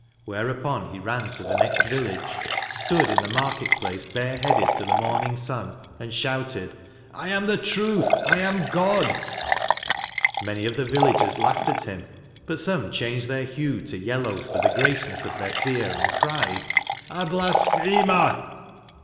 Whereupon he ran to the next village, stood in the market place bareheaded to the morning sun, and shouted :" I am the Truth, I am God." Many of the villagers laughed at him, but some changed their hue to yellow for the greatness of their fear, and cried: " A Blasphemer!